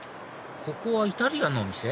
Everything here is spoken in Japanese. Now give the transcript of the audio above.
ここはイタリアンのお店？